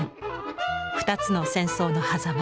２つの戦争のはざま